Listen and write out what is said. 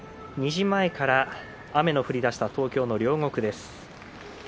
２時前から雨の降りだした東京・両国です。